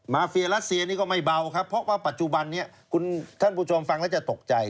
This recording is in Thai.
เฟียรัสเซียนี่ก็ไม่เบาครับเพราะว่าปัจจุบันนี้ท่านผู้ชมฟังแล้วจะตกใจ